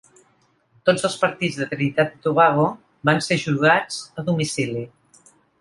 Tots els partits de Trinitat i Tobago van ser jugats a domicili.